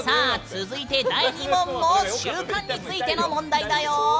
続いて、第２問も習慣についての問題だよ。